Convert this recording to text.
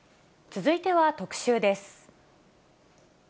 続いては特集です。